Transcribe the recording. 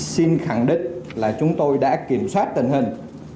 xin khẳng định là chúng tôi đã kiểm soát tình hình